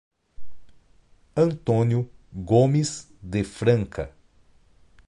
Antônio Gomes de Franca